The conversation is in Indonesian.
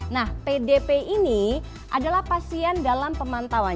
nah pdp ini adalah pasien dalam pemantauan